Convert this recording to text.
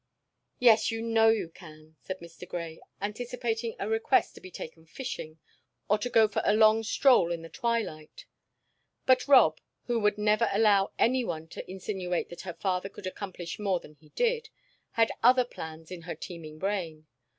"Yes, you know you can," said Mr. Grey, anticipating a request to be taken fishing, or to go for a long stroll in the twilight. But Rob, who would never allow anyone to insinuate that her father could accomplish more than he did, had other plans in her teeming brain.